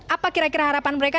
apa kira kira harapan mereka